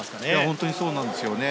本当にそうなんですよね。